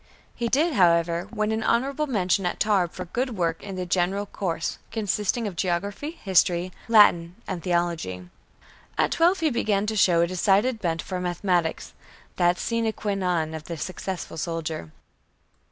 He did, however, win an honorable mention at Tarbes for good work in the general course, consisting of geography, history, Latin, and theology. At twelve he began to show a decided bent for mathematics, that sine qua non of the successful soldier.